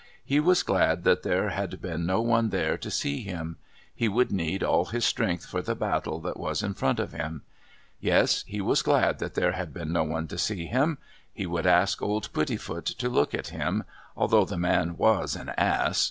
He was glad that there had been no one there to see him. He would need all his strength for the battle that was in front of him. Yes, he was glad that there had been no one to see him. He would ask old Puddifoot to look at him, although the man was an ass.